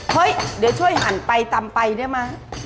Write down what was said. เฮ้ยเดี๋ยวช่วยหันไปตำไปได้ไหม